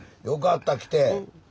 よかった来て。